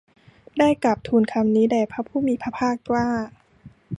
ได้กราบทูลคำนี้แด่พระผู้มีพระภาคว่า